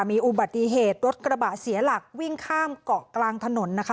มีอุบัติเหตุรถกระบะเสียหลักวิ่งข้ามเกาะกลางถนนนะคะ